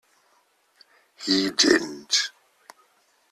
He didn't!